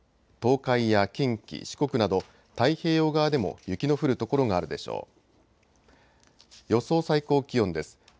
東海や近畿、四国など、太平洋側でも雪の降る所があるでしょう。